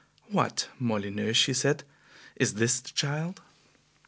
"What, Molyneux!" she said, "is this the child?"